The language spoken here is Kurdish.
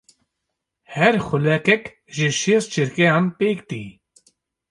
Her xulekek ji şêst çirkeyan pêk tê.